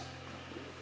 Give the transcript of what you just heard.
saya kira tidak